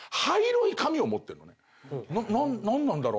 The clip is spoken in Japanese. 何なんだろう？